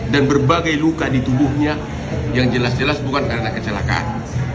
dan berbagai luka di tubuhnya yang jelas jelas bukan karena kecelakaan